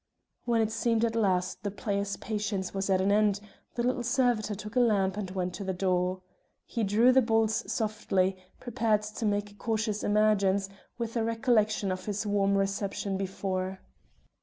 When it seemed at last the player's patience was at an end, the little servitor took a lamp and went to the door. He drew the bolts softly, prepared to make a cautious emergence, with a recollection of his warm reception before.